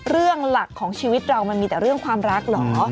หลักของชีวิตเรามันมีแต่เรื่องความรักเหรอ